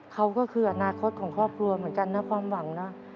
เขาก็คืออนาคตของครอบครัวเหมือนกันนะความหวังนะ